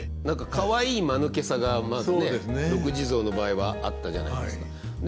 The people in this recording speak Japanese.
何かかわいいまぬけさがまずね「六地蔵」の場合はあったじゃないですか。